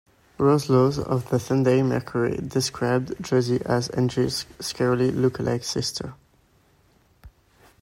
Roz Laws of the Sunday Mercury, described Josie as Angie's scarily-lookalike sister.